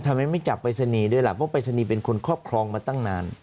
ทำไมไม่จับไปสนีด้วยล่ะเพราะไปสนีเป็นคนครอบครองมาตั้งนาน